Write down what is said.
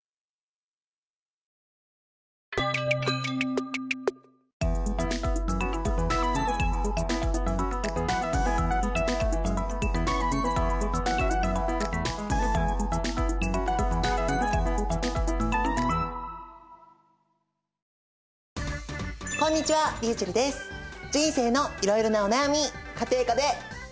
人生のいろいろなお悩み家庭科で解決しよう！